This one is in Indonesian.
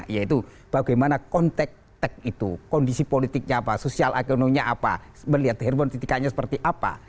yaitu bagaimana konteks tek itu kondisi politiknya apa sosial ekonominya apa melihat herbon titikannya seperti apa